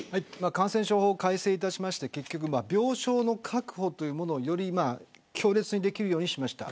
感染症法を改正して病床の確保というものをより強烈にできるようにしました。